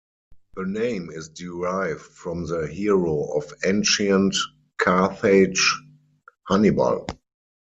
The name is derived from the hero of ancient Carthage, Hannibal.